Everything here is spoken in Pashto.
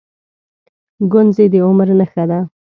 گونځې د عمر نښه ده.